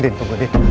din tunggu din